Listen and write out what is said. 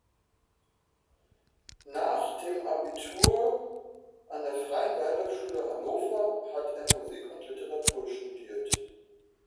Nach dem Abitur an der Freien Waldorfschule Hannover hat er Musik und Literatur studiert.